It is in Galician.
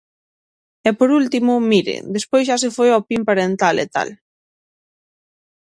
E, por último, mire, despois xa se foi ao pin parental, e tal.